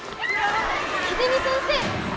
秀美先生！